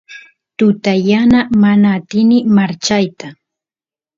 tuta yana mana atini marchayta